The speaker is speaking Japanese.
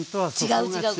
違う違う。